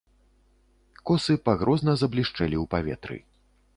Косы пагрозна заблішчэлі ў паветры.